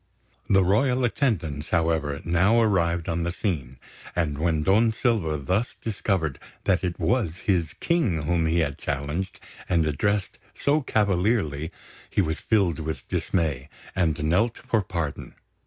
The royal attendants, however, now arrived on the scene; and when Don Silva thus discovered that it was his King whom he had challenged and addressed so cavalierly, he was filled with dismay, and knelt for pardon.